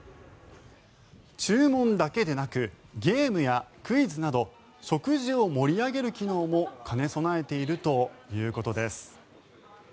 注文だけでなくゲームやクイズなど食事を盛り上げる機能も兼ね備えているということです。